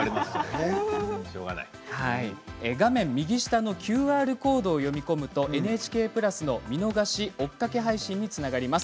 画面右下のＱＲコードを読み込むとＮＨＫプラスの見逃し、追っかけ配信につながります。